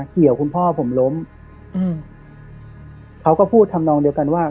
เหนียวคุณพ่อผมล้มอืมเขาก็พูดทำนองเดียวกันว่า